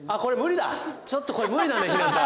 ちょっとこれ無理だねひなた。